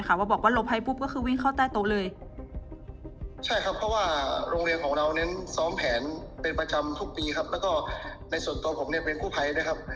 ก็ซ้อมแผนเป็นประจำทุกปีครับแล้วก็ในส่วนตัวผมเนี่ยเป็นผู้ภัยนะครับ